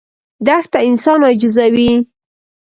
دښته انسان عاجزوي.